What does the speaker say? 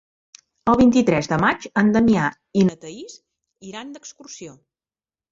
El vint-i-tres de maig en Damià i na Thaís iran d'excursió.